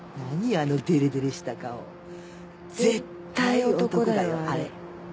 あのデレデレした顔絶対男だよあれ絶対男だよ